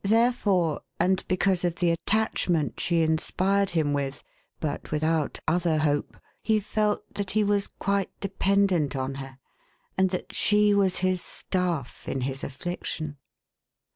Therefore, and because of the attachment she inspired him with (but without other hope), he felt that he was quite dependent on her, and that she was his staff in his affliction.